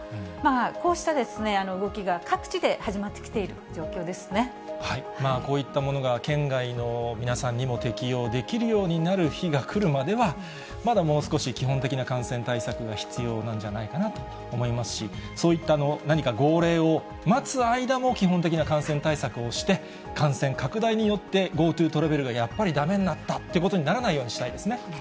こうした動きが各地で始まってきこういったものが県外の皆さんにも適用できるようになる日が来るまでは、まだもう少し基本的感染対策が必要なんじゃないかなと思いますし、そういった何か号令を待つ間も、基本的な感染対策をして、感染拡大によって、ＧｏＴｏトラベルがやっぱりだめになったということにならないようにしたいですね。